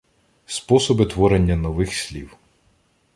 Способи творення нових слів